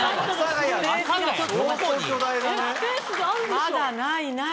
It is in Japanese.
まだないない！